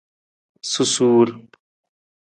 Susuur.